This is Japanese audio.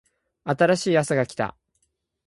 新しいあさが来た